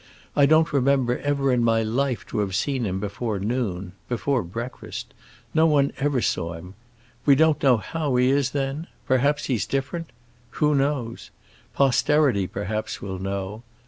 I don't remember ever in my life to have seen him before noon—before breakfast. No one ever saw him. We don't know how he is then. Perhaps he's different. Who knows? Posterity, perhaps, will know.